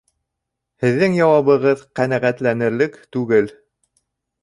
Һеҙҙең яуабығыҙ ҡәнәғәтләнерлек түгел